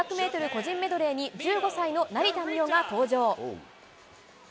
個人メドレーに１５歳の成田実生が登場。